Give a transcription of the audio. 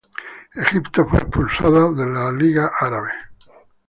Egipto fue expulsado de la Liga Árabe.